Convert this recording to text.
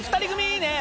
いいね！